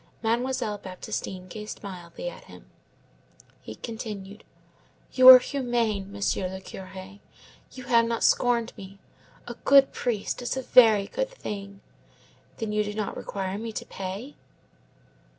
Mademoiselle Baptistine gazed mildly at him. He continued: "You are humane, Monsieur le Curé; you have not scorned me. A good priest is a very good thing. Then you do not require me to pay?"